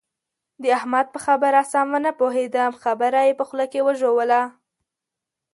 د احمد په خبره سم و نه پوهېدم؛ خبره يې په خوله کې وژوله.